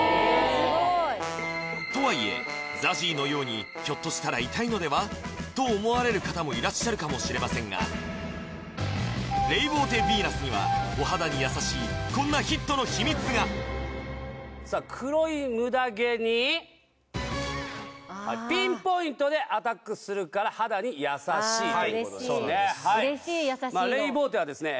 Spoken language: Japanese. すごいとはいえＺＡＺＹのようにと思われる方もいらっしゃるかもしれませんがレイボーテヴィーナスにはお肌に優しいこんなヒットの秘密がピンポイントでアタックするから肌に優しいということですねああ嬉しい嬉しい優しいのまあレイボーテはですね